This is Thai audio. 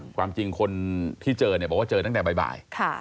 ความจริงคนที่เจอเนี่ยบอกว่าเจอตั้งแต่บ่าย